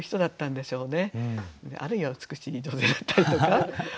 あるいは美しい女性だったりとか。